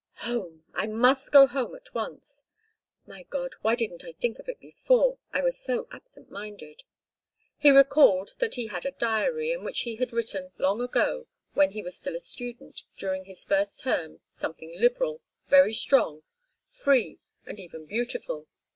"Home, I must go home at once! My God. Why didn't I think of it before. I was so absent minded." He recalled that he had a diary, in which he had written long ago, when he was still a student, during his first term, something liberal, very strong, free and even beautiful.